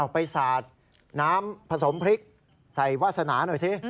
ไปสาดน้ำผสมพริกใส่วาสนาหน่อยสิ